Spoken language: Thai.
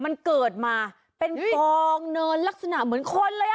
มันเกิดมาเป็นกองเนินลักษณะเหมือนคนเลยอ่ะ